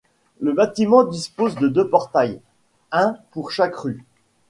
Le bâtiment dispose de deux portails, un pour chaque rue.